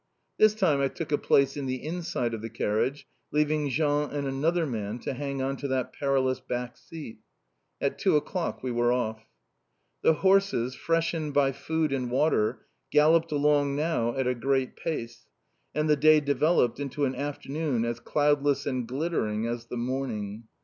This time I took a place in the inside of the carriage, leaving Jean and another man to hang on to that perilous back seat. At two o'clock we were off. The horses, freshened by food and water, galloped along now at a great pace, and the day developed into an afternoon as cloudless and glittering as the morning.